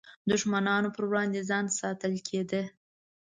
دښمنانو پر وړاندې ځان ساتل کېده.